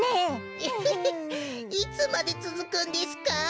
エヘヘいつまでつづくんですか。